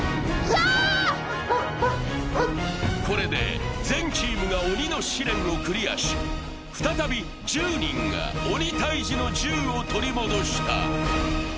これで全チームが鬼の試練をクリアし、再び１０人が鬼タイジの銃を取り戻した。